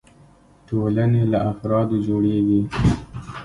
ټولنې له افرادو جوړيږي.